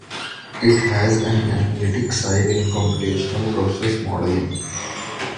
It has an analytic side in computational process modeling.